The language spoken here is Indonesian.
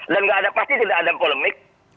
dan pasti tidak ada polemik